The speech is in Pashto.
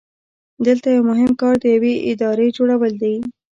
دلته یو مهم کار د یوې ادارې جوړول دي.